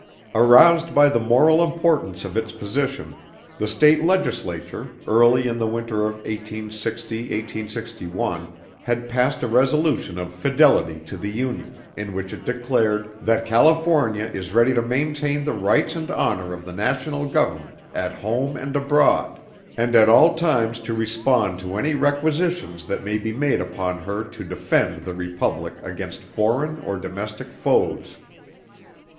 Aroused by the moral importance of its position, the state legislature, early in the winter of 1860 1861, had passed a resolution of fidelity to the Union, in which it declared "That California is ready to maintain the rights and honor of the National Government at home and abroad, and at all times to respond to any requisitions that may be made upon her to defend the Republic against foreign or domestic foes."